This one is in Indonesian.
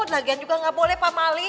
lagian juga gak boleh pamali